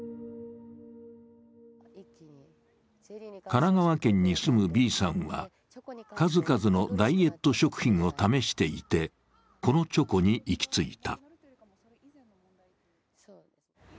神奈川県に住むＢさんは、数々のダイエット食品を試していてこのチョコに行き着いた。